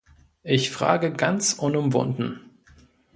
Ich frage ganz unumwunden.